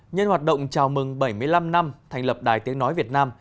nhân hoạt động chào mừng bảy mươi năm năm thành lập đài tiếng nói việt nam